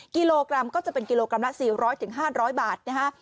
กิโลกรัมก็จะเป็นกิโลกรัมละ๔๐๐๕๐๐บาทนะฮะ